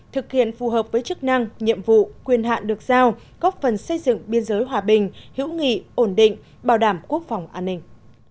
thực hiện phù hợp với chức năng nhiệm vụ quyền hạn được giao góp phần xây dựng biên giới hòa bình hữu nghị ổn định bảo đảm quốc phòng an ninh